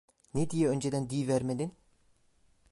Ne diye önceden diyivermedin!